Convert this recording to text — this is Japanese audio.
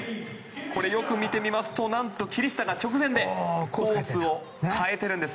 これ、よく見てみますと何と霧下が直前でコースを変えているんです。